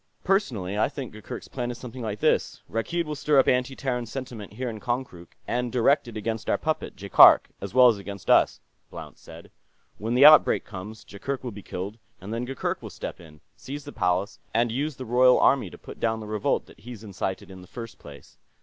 "Personally, I think Gurgurk's plan is something like this: Rakkeed will stir up anti Terran sentiment here in Konkrook, and direct it against our puppet, Jaikark, as well as against us," Blount said. "When the outbreak comes, Jaikark will be killed, and then Gurgurk will step in, seize the Palace, and use the Royal army to put down the revolt that he's incited in the first place.